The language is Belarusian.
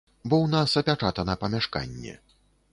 Бо ў нас апячатана памяшканне.